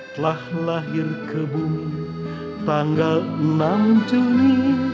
telah lahir ke bumi tanggal enam juni seribu sembilan ratus satu